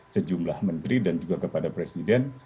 sejumlah menteri dan juga kepada presiden